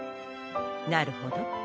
なるほど。